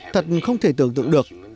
thật không thể tưởng tượng được